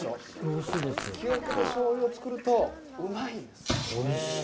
木桶でしょうゆを造るとうまいんです。